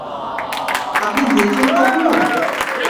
আপনি গিয়েছেন কখনো?